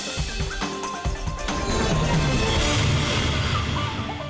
tetap berbicara bersama kami